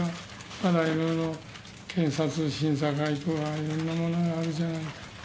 まだいろいろ、検察審査会とかいろいろなものがあるじゃないかと。